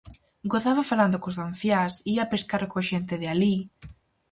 Gozaba falando cos anciáns, ía pescar coa xente de alí...